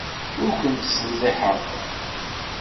Ur ken-ttselliḥeɣ.